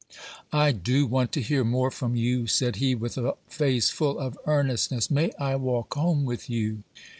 "I do want to hear more from you," said he, with a face full of earnestness; "may I walk home with you?"